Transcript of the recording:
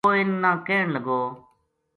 وہ اِنھ نا ْکہن لگو